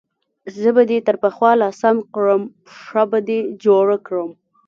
زه به دې تر پخوا لا سم کړم، پښه به دې جوړه کړم.